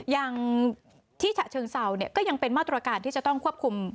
อย่างที่ฉะเชิงเซาเนี่ยก็ยังเป็นมาตรการที่จะต้องควบคุม